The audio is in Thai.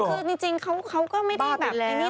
คือจริงเขาก็ไม่ได้แบบนี้